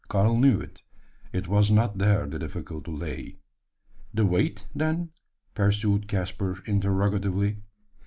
Karl knew it. It was not there the difficulty lay. "The weight, then?" pursued Caspar interrogatively.